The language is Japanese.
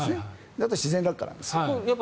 あとは自然落下なんです。